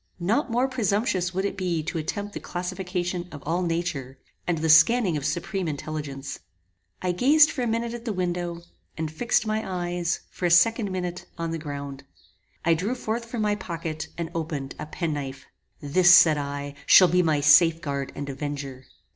Not more presumptuous would it be to attempt the classification of all nature, and the scanning of supreme intelligence. I gazed for a minute at the window, and fixed my eyes, for a second minute, on the ground. I drew forth from my pocket, and opened, a penknife. This, said I, be my safe guard and avenger.